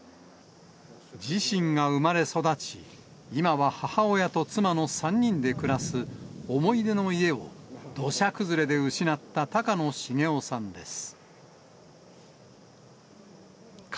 自身が生まれ育ち、今は母親と妻の３人で暮らす思い出の家を土砂崩れで失った高野重夫さんです。